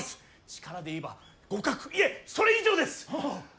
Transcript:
力で言えば互角いえそれ以上です。